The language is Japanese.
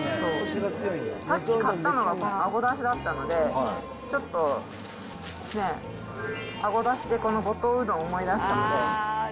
さっき買ったのがこのあごだしだったので、ちょっと、ね、あごだしでこの五島うどん思い出したので。